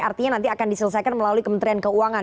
artinya nanti akan diselesaikan melalui kementerian keuangan